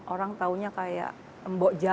orang taunya kayak embok jadul